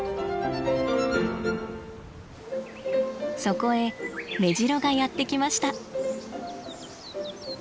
そこへメジロがやって来ました。